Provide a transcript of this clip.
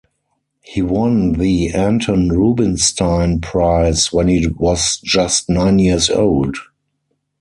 He won the Anton Rubinstein Prize when he was just nine years old.